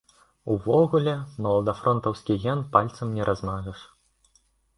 Увогуле, маладафронтаўскі ген пальцам не размажаш.